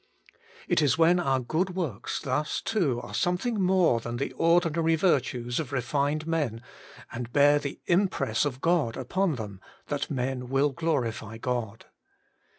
It is when our good works thus too are something more than the ordi nary virtues of refined men, and bear the impress of God upon them, that men will glorify God.